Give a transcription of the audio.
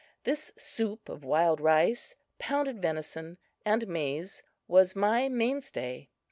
This soup of wild rice, pounded venison and maize was my main stay.